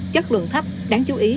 chất lượng thấp đáng chú ý